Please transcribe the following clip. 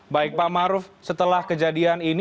baik pak maruf setelah kejadian ini